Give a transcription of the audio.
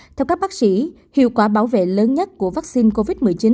theo các bác sĩ hiệu quả bảo vệ lớn nhất của vaccine covid một mươi chín